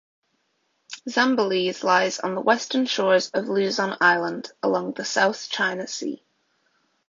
Zambales lies on the western shores of Luzon island along the South China Sea.